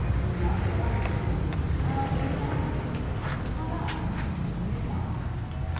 "Not till I'm ready; I'll see you hanged first," replied I, speaking with mine.